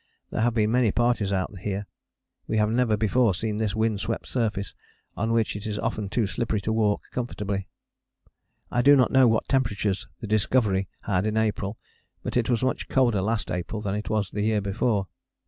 There have been many parties out here: we have never before seen this wind swept surface, on which it is often too slippery to walk comfortably. I do not know what temperatures the Discovery had in April, but it was much colder last April than it was the year before.